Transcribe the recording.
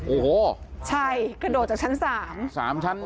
โอ้โหใช่กระโดดจากชั้น๓ชั้น